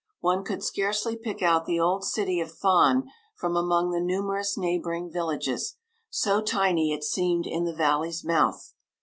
One could scarcely pick out the old city of Thann from among the numerous neighbouring villages, so tiny it seemed in the valley's mouth.